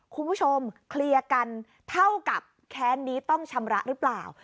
คุณผู้ชมเคลียร์กันเท่ากับแค้นนี้ต้องชำระหรือเปล่า